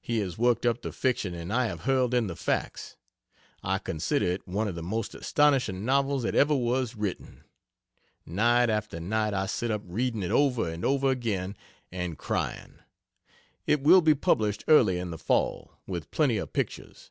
He has worked up the fiction and I have hurled in the facts. I consider it one of the most astonishing novels that ever was written. Night after night I sit up reading it over and over again and crying. It will be published early in the Fall, with plenty of pictures.